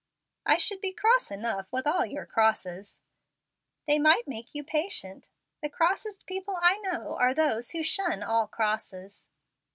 "I should be cross enough with all your crosses." "They might make you patient. The crossest people I know are those who shun all crosses."